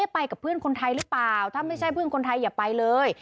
ไปกับเพื่อนคนไทยหรือเปล่าถ้าไม่ใช่เพื่อนคนไทยอย่าไปเลย